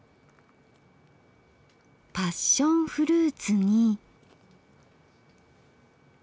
パッションフルーツに。